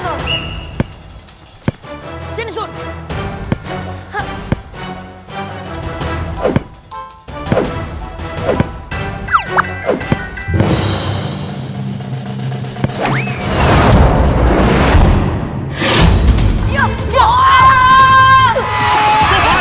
ayo kita semangat lagi semuanya yuk